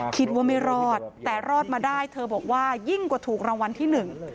คิดว่าไม่รอดแต่รอดมาได้เธอบอกว่ายิ่งกว่าถูกรางวัลที่หนึ่ง